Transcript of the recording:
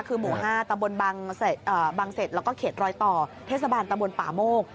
คือหมู่๕ตำบลบางเสร็จแล้วก็เขตรอยต่อเทศบาลตำบลป่าโมก